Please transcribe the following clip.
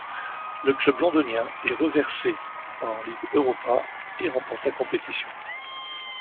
Le club londonien est reversé en Ligue Europa et remporte la compétition.